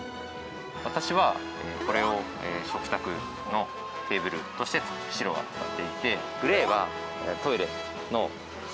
私はこれを食卓のテーブルとして白は使っていてグレーはトイレの掃除